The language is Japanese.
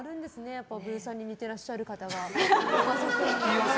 やっぱりブーさんに似ていらっしゃる方は。